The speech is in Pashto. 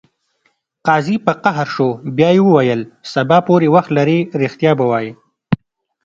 قاضي په قهر شو بیا یې وویل: سبا پورې وخت لرې ریښتیا به وایې.